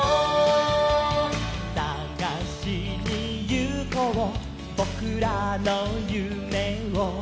「さがしにゆこうぼくらのゆめを」